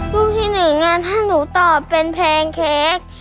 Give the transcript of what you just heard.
ที่หนึ่งถ้าหนูตอบเป็นแพงเค้ก